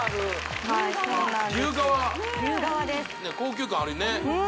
高級感あるね